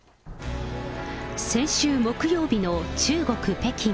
先週木曜日の中国・北京。